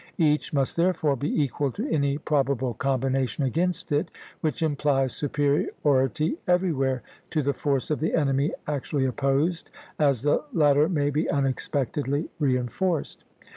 Each must therefore be equal to any probable combination against it, which implies superiority everywhere to the force of the enemy actually opposed, as the latter may be unexpectedly reinforced.